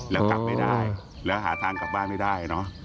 แล้วกลับไม่ได้แล้วหาทางกลับบ้านไม่ได้เนอะ